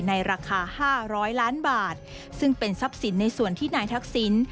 ในราคา๕๐๐ล้านบาทซึ่งเป็นทรัพย์สินในส่วนที่นายทักษิณ